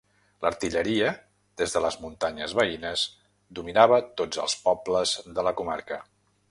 L'artilleria, des de les muntanyes veïnes, dominava tots els pobles de la comarca.